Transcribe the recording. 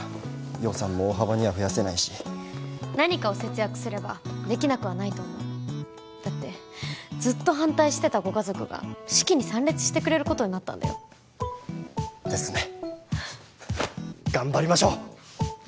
予算も大幅には増やせないし何かを節約すればできなくはないと思うだってずっと反対してたご家族が式に参列してくれることになったんだよですね頑張りましょう！